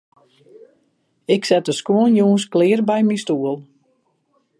Ik set de skuon jûns klear by myn stoel.